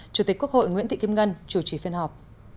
chủ tịch quốc hội nguyễn thị kim ngân chủ trì phiên họp